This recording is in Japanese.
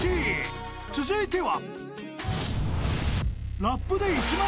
［続いては］